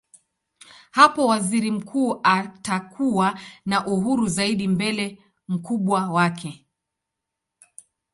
Hapo waziri mkuu atakuwa na uhuru zaidi mbele mkubwa wake.